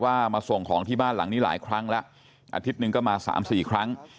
มาส่งของที่บ้านหลังนี้หลายครั้งแล้วอาทิตย์หนึ่งก็มาสามสี่ครั้ง